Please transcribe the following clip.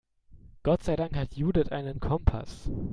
Gott sei Dank hat Judith einen Kompass.